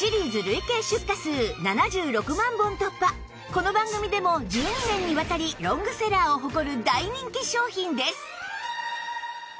この番組でも１２年にわたりロングセラーを誇る大人気商品です